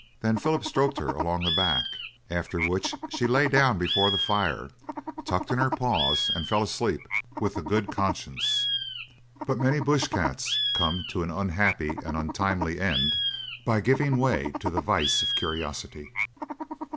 Then Philip stroked her along the back, after which she lay down before the fire, tucked in her paws and fell asleep, with a good conscience. But many bush cats come to an unhappy and untimely end by giving way to the vice of curiosity.